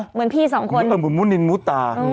เหมือนพี่สองคนเหมือนมุนินมุตา